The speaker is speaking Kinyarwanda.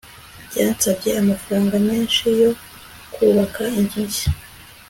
byansabye amafaranga menshi yo kubaka inzu nshya